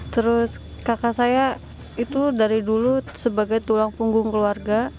terus kakak saya itu dari dulu sebagai tulang punggung keluarga